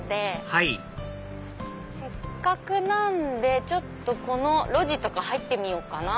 はいせっかくなんでちょっとこの路地とか入ってみようかな。